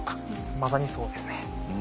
まさにそうですね。